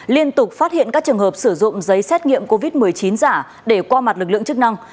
liên tục phát hiện các trường hợp sử dụng giấy xét nghiệm covid một mươi chín giả để qua mặt lực lượng chức năng